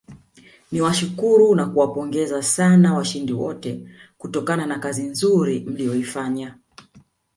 Niwashukuru na kuwapongeza sana washindi wote kutokana na kazi nzuri mliyoifanya